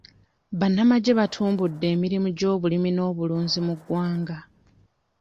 Bannamagye batumbudde emirimu gy'obulimi n'obulunzi mu ggwanga.